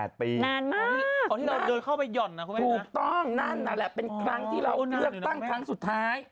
เอาที่เราเดินเข้าไปหย่อนนะครับถูกต้องนั่นแหละเป็นครั้งที่เราเลือกตั้งทางสุดท้าย